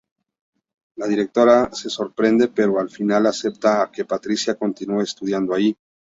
La directora se sorprende, pero al final acepta que Patricia continúe estudiando ahí.